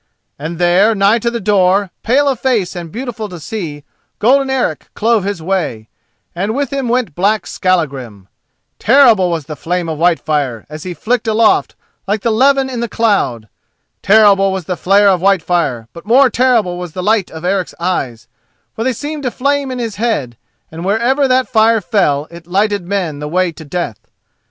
And there, nigh to the door, pale of face and beautiful to see, golden Eric clove his way, and with him went black Skallagrim. Terrible was the flare of Whitefire as he flicked aloft like the levin in the cloud. Terrible was the flare of Whitefire; but more terrible was the light of Eric's eyes, for they seemed to flame in his head, and wherever that fire fell it lighted men the way to death.